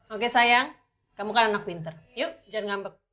oke sayang kamu kan anak pinter yuk jangan ngambek